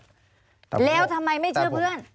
แล้วทำไมไม่เชื่อเพื่อน